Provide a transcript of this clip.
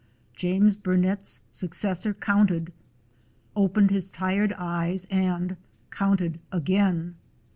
James Burnet's successor counted; opened his tired eyes and counted again.